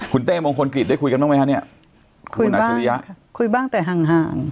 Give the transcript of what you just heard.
คุณเต้มงคลกิจได้คุยกันบ้างไหมคะเนี่ยคุณอัจฉริยะคุยบ้างแต่ห่างห่าง